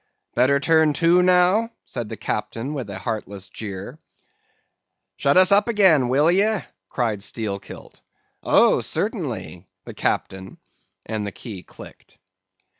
"'Better turn to, now?' said the Captain with a heartless jeer. "'Shut us up again, will ye!' cried Steelkilt. "'Oh certainly,' said the Captain, and the key clicked.